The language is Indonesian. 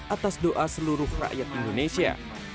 atas doa seluruh rakyat indonesia